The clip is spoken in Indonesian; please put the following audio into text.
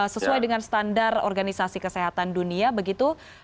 sesuai dengan standar organisasi kesehatan dunia begitu